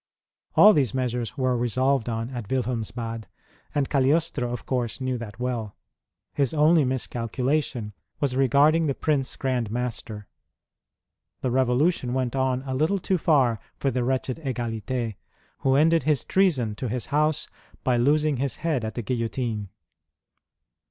All these measures were resolved on at Wilhelmsbad, and Cagliostro of course knew that well. His only miscalculation was regarding the Prince Grand Master. The Revolution Avent on a little too fiir for the wretched Egalite, who ended his treason to his house by losing his head at the guillotine.